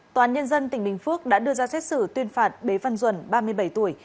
tòa án nhân dân tỉnh bình phước đã đưa ra xét xử tuyên phạt bế văn duẩn ba mươi bảy tuổi